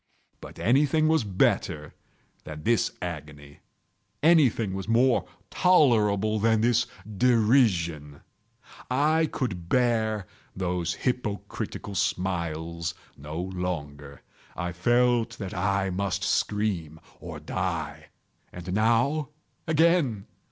But anything was better than this agony! Anything was more tolerable than this derision! I could bear those hypocritical smiles no longer! I felt that I must scream or die! and now—again!